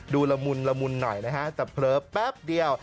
ละมุนละมุนหน่อยนะฮะแต่เผลอแป๊บเดียว